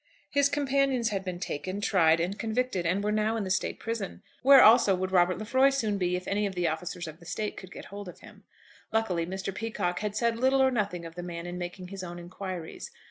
His companions had been taken, tried, and convicted, and were now in the State prison, where also would Robert Lefroy soon be if any of the officers of the State could get hold of him. Luckily Mr. Peacocke had said little or nothing of the man in making his own inquiries.